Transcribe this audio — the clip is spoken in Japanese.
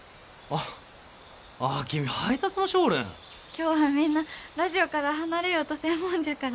今日はみんなラジオから離れようとせんもんじゃから。